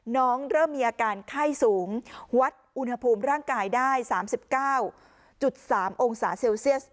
เริ่มมีอาการไข้สูงวัดอุณหภูมิร่างกายได้๓๙๓องศาเซลเซียส